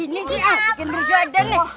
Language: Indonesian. ini sih bikin berjodoh adang nih